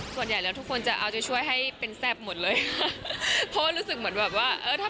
ส่วนใหญ่ทุกคนจะช่วยให้เป็นแซ่บหมดเลยค่ะ